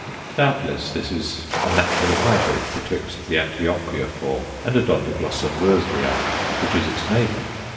Doubtless this is a natural hybrid betwixt the Antioquia form and Odontoglossum Roezlii, which is its neighbour.